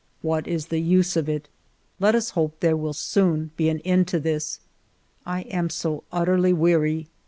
What is the use of it? Let us hope there will soon be an end to this. I am so utterly weary